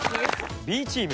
Ｂチーム。